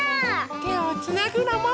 てをつなぐのも。